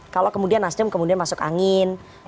kalau kemudian nasdem kemudian masuk angin